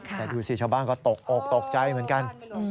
แต่ดูสิชาวบ้านก็ตกอกตกใจเหมือนกัน